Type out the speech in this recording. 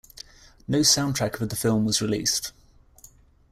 No soundtrack of the film was released.